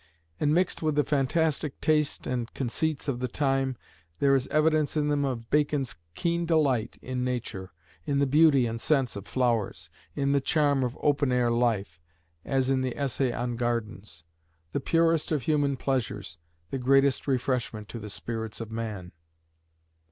And mixed with the fantastic taste and conceits of the time, there is evidence in them of Bacon's keen delight in nature, in the beauty and scents of flowers, in the charm of open air life, as in the essay on Gardens, "The purest of human pleasures, the greatest refreshment to the spirits of man."